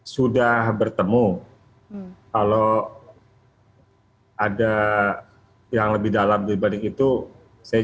sudah bertemu kalau ada yang lebih dalam dibanding itu saya